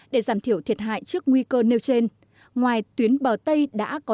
để giảm thiểu thiệt hại trước nguy cơ nêu trên ngoài tuyến bờ tây đã có